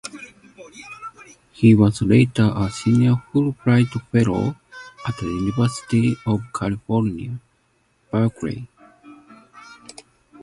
He was later a Senior Fulbright fellow at the University of California, Berkeley.